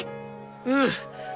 うん！